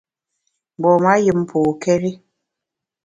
Mgbom-a yùm pôkéri.